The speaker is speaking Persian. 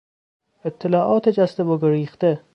اطلاعات جسته و گریخته